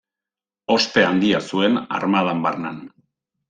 Ospe handia zuen armadan barnan.